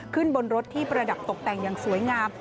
ขึ้นบนรถที่ประดับตกแต่งอย่างสวยงาม